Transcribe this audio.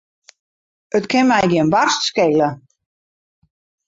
It kin my gjin barst skele.